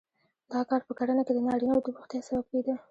دا کار په کرنه کې د نارینه وو د بوختیا سبب کېده